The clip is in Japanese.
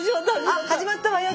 あっ始まったわよ